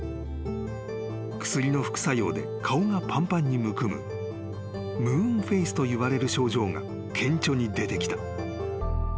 ［薬の副作用で顔がぱんぱんにむくむムーンフェイスといわれる症状が顕著に出てきた］